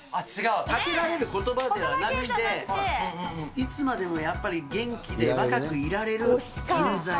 かけられることばではなくて、いつまでもやっぱり元気で若くいられる存在。